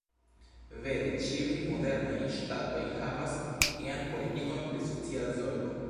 Vere ĉiuj modernaj ŝtatoj havas ian politikon pri socia zorgo.